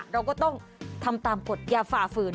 เราก็ต้องทำตามกฎอย่าฝ่าฝืน